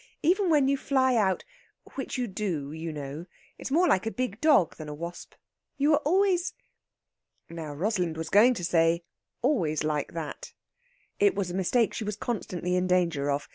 Even when you fly out which you do, you know it's more like a big dog than a wasp. You were always...." Now, Rosalind was going to say "always like that"; it was a mistake she was constantly in danger of.